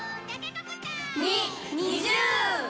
２２０！